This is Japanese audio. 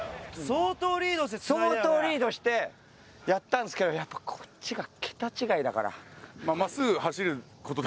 相当リードしてやったんですけどやっぱこっちが桁違いだから。